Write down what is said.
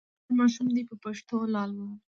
هر ماشوم دې په پښتو لالا واوري.